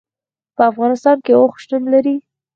په افغانستان کې اوښ شتون لري.